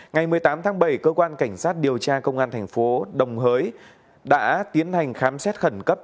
ngày một mươi tám tháng bảy cơ quan cảnh sát điều tra công an thành phố đồng hới đã tiến hành khám xét khẩn cấp